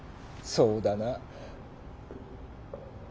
そうだな。